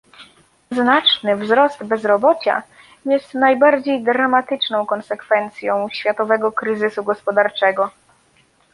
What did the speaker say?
Znaczny wzrost bezrobocia jest najbardziej dramatyczną konsekwencją światowego kryzysu gospodarczego